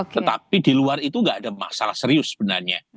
tetapi di luar itu tidak ada masalah serius sebenarnya